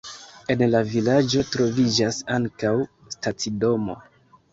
En la vilaĝo troviĝas ankaŭ stacidomo.